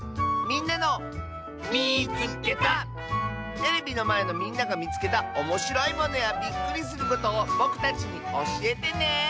テレビのまえのみんながみつけたおもしろいものやびっくりすることをぼくたちにおしえてね！